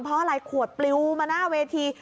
เพราะอะไรขวดปลิวมาหน้าเวที